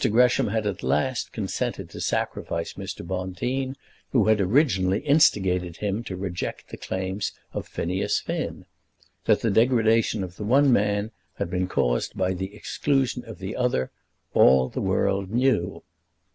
Gresham had at last consented to sacrifice Mr. Bonteen, who had originally instigated him to reject the claims of Phineas Finn. That the degradation of the one man had been caused by the exclusion of the other all the world knew.